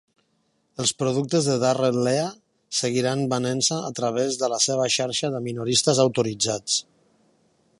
Els productes de Darrell Lea seguiran venent-se a través de la seva xarxa de minoristes autoritzats.